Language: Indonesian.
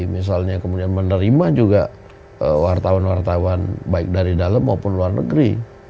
misalnya kemudian menerima juga wartawan wartawan baik dari dalam maupun luar negeri